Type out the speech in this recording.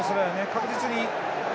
確実に。